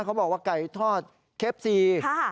เขาบอกว่าไก่ทอดเคฟซี